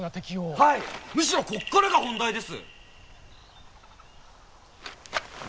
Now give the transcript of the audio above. はいむしろこっからが本題です！